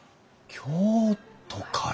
京都から！